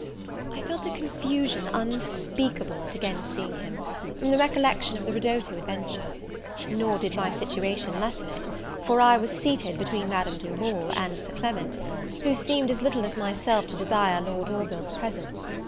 I felt a confusion unspeakable at again seeing him, from the recollection of the ridotto adventure: nor did my situation lessen it; for I was seated between Madame Duval and Sir Clement, who seemed as little as myself to desire Lord Orville's presence.